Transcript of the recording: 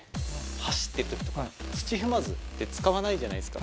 走っているときとかつちふまずって使わないじゃないですか。